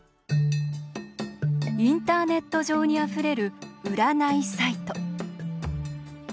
インターネット上にあふれる占いサイト。